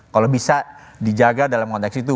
kalau bisa dijaga dalam konteks itu